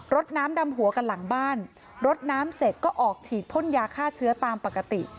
ดน้ำดำหัวกันหลังบ้านรดน้ำเสร็จก็ออกฉีดพ่นยาฆ่าเชื้อตามปกติ